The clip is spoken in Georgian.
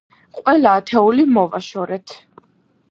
ყველა ათეული მოვაშორეთ.